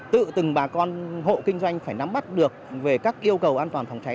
tự từng bà con hộ kinh doanh phải nắm bắt được về các yêu cầu an toàn phòng cháy